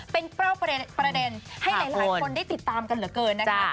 เป็นเป้าประเด็นให้หลายคนได้ติดตามกันเหลือเกินนะคะ